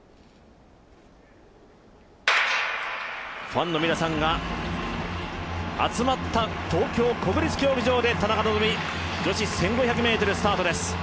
ファンの皆さんが集まった国立競技場で田中希実、女子１５００ｍスタートです。